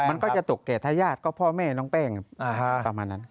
มันก็จะตกแก่ทายาทก็พ่อแม่น้องแป้งประมาณนั้น